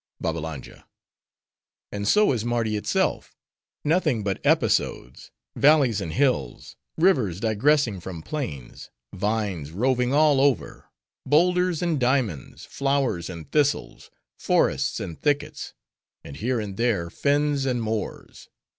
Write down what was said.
BABBALANJA—And so is Mardi itself:—nothing but episodes; valleys and hills; rivers, digressing from plains; vines, roving all over; boulders and diamonds; flowers and thistles; forests and thickets; and, here and there, fens and moors.